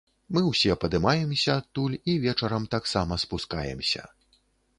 Мы ўсе падымаемся адтуль, і вечарам таксама спускаемся.